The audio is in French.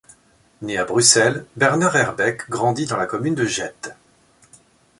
Né à Bruxelles, Bernard Herbecq grandit dans la commune de Jette.